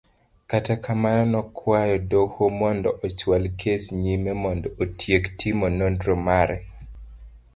Kata kamano nokwayo doho mondo ochwal kes nyime mondo otiek timo nonro mare.